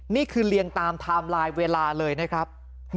นี่คือเรียงตามไทม์ไลน์เวลาเลยนะครับ